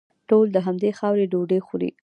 ټول د همدې خاورې ډوډۍ خوري.